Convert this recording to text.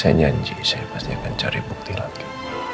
saya janji saya pasti akan cari bukti lagi